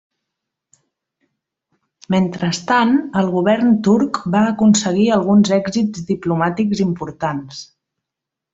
Mentrestant el govern turc va aconseguir alguns èxits diplomàtics importants.